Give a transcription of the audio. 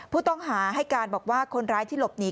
ผู้ต้องหาให้การบอกว่าคนร้ายที่หลบหนี